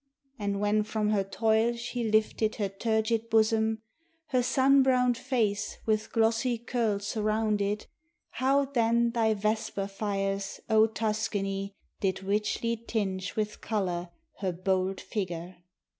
And when from her toil she lifted her turgid bosom, her sun browned face with glossy curls surrounded, how then thy vesper fires, O Tuscany, did richly tinge with color her bold figure!